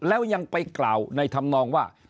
แล้วยังไปกล่าวในธรรมนองว่า